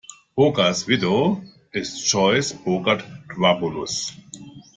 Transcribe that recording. Bogart's widow is Joyce Bogart-Trabulus.